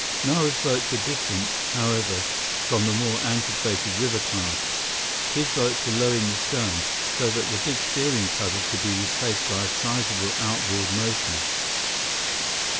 Nara's boats were different, however, from the more antiquated river craft. His boats were low in the stern, so that the big steering paddle could be replaced by a sizable outboard motor.